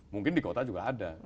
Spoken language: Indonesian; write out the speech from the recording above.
mungkin di kota juga ada